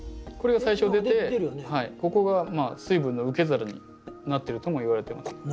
これが最初出てここが水分の受け皿になってるともいわれてます。